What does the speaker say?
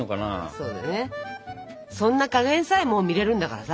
そんな加減さえも見れるんだからさ。